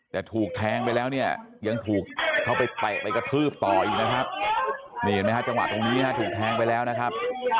แต่ถูกแทงไปแล้วเนี่ยยังถูกเข้าไปเตะไปกระทืบต่ออีกนะครับนี่เห็นไหมฮะจังหวะตรงนี้นะฮะถูกแทงไปแล้วนะครับ